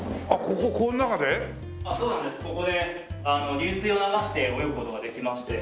ここで流水を流して泳ぐ事ができまして。